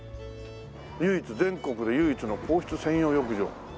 唯一「全国で唯一の皇室専用浴場」。